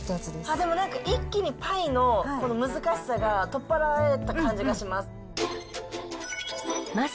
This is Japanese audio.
でもなんか、一気にパイの難しさが取っ払われた感じがします。